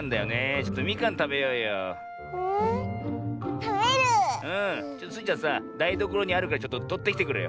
ちょっとスイちゃんさだいどころにあるからちょっととってきてくれよ。